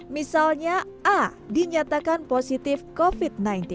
misalnya a dinyatakan positif covid sembilan belas